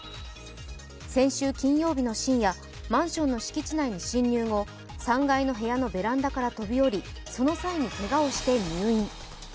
先週金曜日の深夜、マンションの敷地内に侵入後、３階の部屋のベランダから飛び降りその際にけがをして入院。